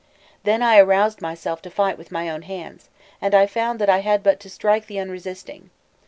Then I aroused myself to fight with my own hands, and I found that I had but to strike the unresisting.